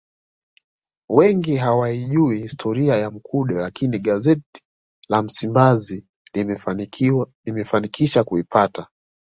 Wengi hawaijui historia ya Mkude lakini gazeti la Msimbazi limefanikisha kuipata